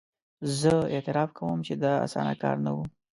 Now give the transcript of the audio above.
زه اعتراف کوم چې دا اسانه کار نه وو.